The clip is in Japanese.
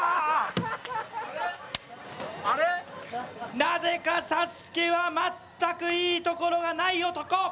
なぜかＳＡＳＵＫＥは全くいいところがない男。